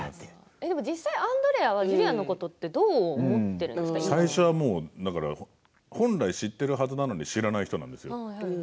アンドレアはジュリアのことを本来、知っているはずなのに知らない人なんですよ。